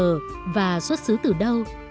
sở và xuất xứ từ đâu